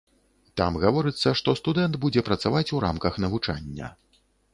Там гаворыцца, што студэнт будзе працаваць у рамках навучання.